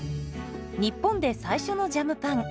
日本で最初のジャムパン。